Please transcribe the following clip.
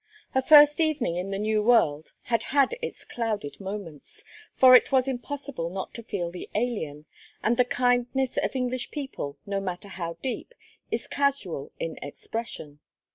Her first evening in the new world had had its clouded moments, for it was impossible not to feel the alien, and the kindness of English people, no matter how deep, is casual in expression.